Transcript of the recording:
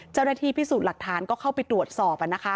เจ้าหน้าที่พิสูจน์หลักฐานก็เข้าไปตรวจสอบ